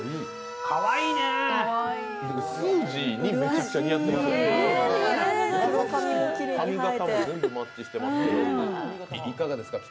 すーじーにめちゃくちゃ似合ってますね。